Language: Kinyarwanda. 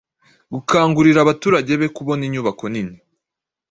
Gukangurira abaturage be kubona inyubako nini